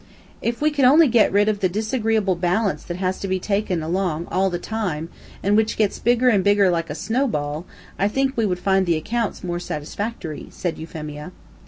"If we could only get rid of the disagreeable balance that has to be taken along all the time, and which gets bigger and bigger like a snow ball, I think we would find the accounts more satisfactory," said Euphemia.